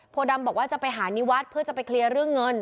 ดำบอกว่าจะไปหานิวัฒน์เพื่อจะไปเคลียร์เรื่องเงิน